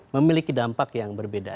memiliki dampak yang berbeda